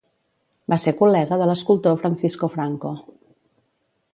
Va ser col·lega de l'escultor Francisco Franco.